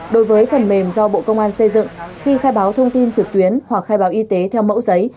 đối với phần mềm do bộ công an xây dựng khi khai báo thông tin trực tuyến hoặc khai báo y tế theo mẫu giấy